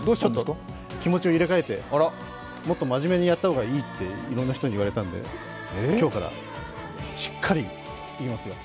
気持ちを入れ替えて、もっとまじめにやった方がいいっていろんな人に言われたので、今日から、しっかりいきますよ。